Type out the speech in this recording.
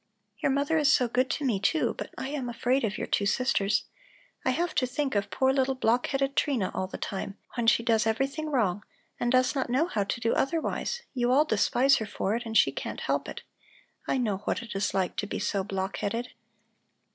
"Your mother is so good to me, too, but I am afraid of your two sisters. I have to think of poor little block headed Trina all the time, when she does everything wrong and does not know how to do otherwise; you all despise her for it and she can't help it. I know what it is like to be so block headed."